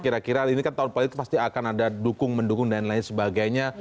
kira kira ini kan tahun politik pasti akan ada dukung mendukung dan lain sebagainya